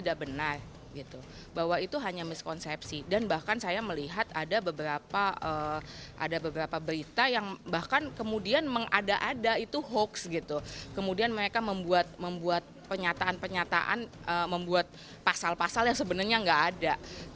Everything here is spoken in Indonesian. kemudian mereka membuat penyataan penyataan membuat pasal pasal yang sebenarnya nggak ada